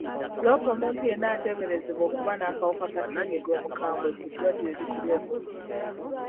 Loopa omuntu yenna ateberezebwa okuba n'akawuka ka ssenyiga omukambwe ku ddwaliro eri kuli okumpi.